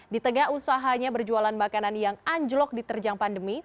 di tengah usahanya berjualan makanan yang anjlok diterjang pandemi